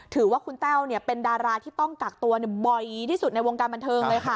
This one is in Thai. ถือว่าคุณแต้วเป็นดาราที่ต้องกักตัวบ่อยที่สุดในวงการบันเทิงเลยค่ะ